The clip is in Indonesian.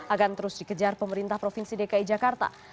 akan terus dikejar pemerintah provinsi dki jakarta